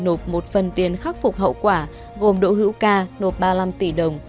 nộp một phần tiền khắc phục hậu quả gồm đỗ hữu ca nộp ba mươi năm tỷ đồng